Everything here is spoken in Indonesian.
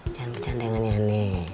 jangan bercanda dengan yanni